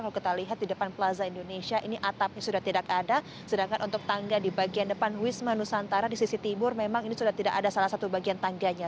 kalau kita lihat di depan plaza indonesia ini atapnya sudah tidak ada sedangkan untuk tangga di bagian depan wisma nusantara di sisi timur memang ini sudah tidak ada salah satu bagian tangganya